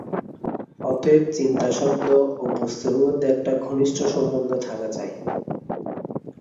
অতএব চিন্তা শব্দ ও বস্তুর মধ্যে একটা ঘনিষ্ঠ সম্বন্ধ থাকা চাই।